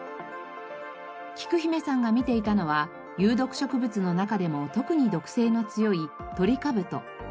きく姫さんが見ていたのは有毒植物の中でも特に毒性の強いトリカブト。